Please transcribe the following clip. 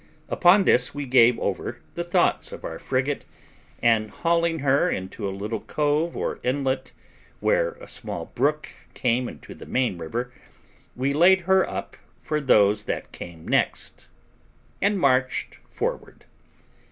Upon this we gave over the thoughts of our frigate, and hauling her into a little cove or inlet, where a small brook came into the main river, we laid her up for those that came next, and marched forward.